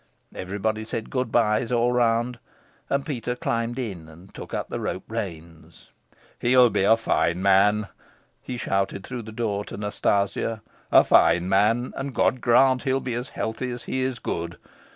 Everybody said good byes all round, and Peter climbed in and took up the rope reins. "He'll be a fine man," he shouted through the door to Nastasia, "a fine man; and God grant he'll be as healthy as he is good.